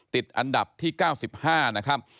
ติดอันดับที่๙๕นะครับ